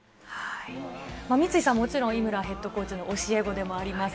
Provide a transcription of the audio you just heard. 三井さん、もちろん井村ヘッドコーチの教え子でもあります。